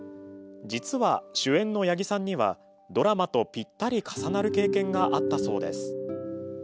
実は主演の八木さんにはドラマとぴったり重なる経験があったそうです。